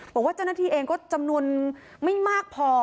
บอกว่าเจ้าหน้าที่เองก็จำนวนไม่มากพอ